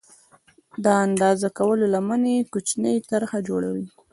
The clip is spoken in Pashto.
د اندازه کولو لمنه یې کوچنۍ طرحه او جوړېږي.